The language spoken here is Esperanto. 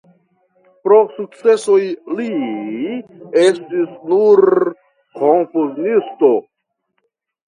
Pro sukcesoj li estis nur komponisto.